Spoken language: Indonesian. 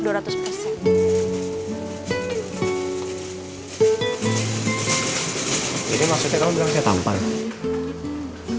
jadi maksudnya kamu bilang saya tampan